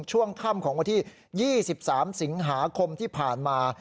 ช่วงค่ำของวันที่ยี่สิบสามสิงหาคมที่ผ่านมา